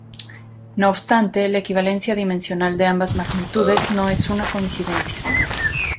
No obstante, la equivalencia dimensional de ambas magnitudes no es una coincidencia.